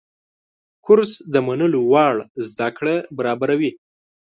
کورس د منلو وړ زده کړه برابروي.